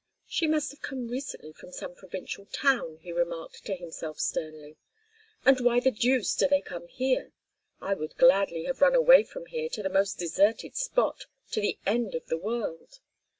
"She must have come recently from some provincial town," he remarked to himself sternly. "And why the deuce do they come here? I would gladly have run away from here to the most deserted spot, to the end of the world.